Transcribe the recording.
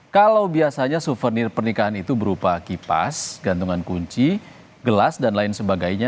kalau biasanya souvenir pernikahan itu berupa kipas gantungan kunci gelas dan lain sebagainya